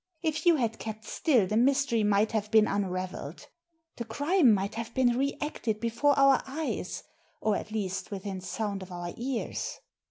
If you had kept still the mystery might have been unravelled. The crime might have been re acted before our eyes, or at least within sound of our ears."